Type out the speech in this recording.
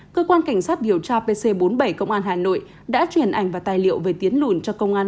cơ quan cảnh sát điều tra pc bốn mươi bảy công an hà nội đã truyền ảnh và tài liệu về tiến lùn cho công an